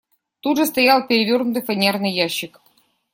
Тут же стоял перевернутый фанерный ящик.